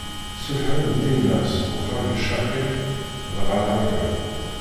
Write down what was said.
Ssufɣen-d Dina seg uxxam n Caxim, dɣa ṛuḥen.